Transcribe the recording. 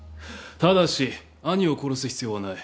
ただし兄を殺す必要はない。